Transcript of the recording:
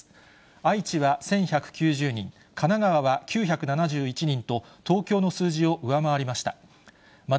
愛知は１１９０人、神奈川は９７１人と、東京の数字を上回りました。